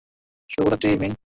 শুভরাত্রি, মিং।